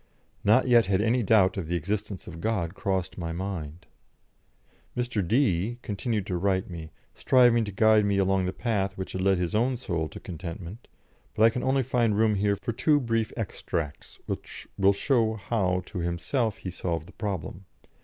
Not yet had any doubt of the existence of God crossed my mind. Mr. D continued to write me, striving to guide me along the path which had led his own soul to contentment, but I can only find room here for two brief extracts, which will show how to himself he solved the problem.